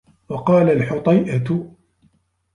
وَقَالَ الْحُطَيْئَةُ